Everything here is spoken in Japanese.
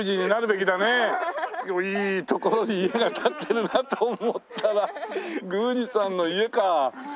いい所に家が立ってるなと思ったら宮司さんの家か！